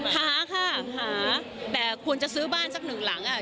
หาค่ะหาแต่ควรจะซื้อบ้านสักหนึ่งหลังอ่ะ